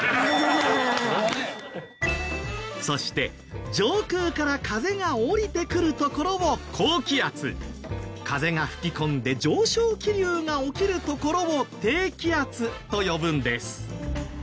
そして上空から風が下りてくる所を高気圧風が吹き込んで上昇気流が起きる所を低気圧と呼ぶんです。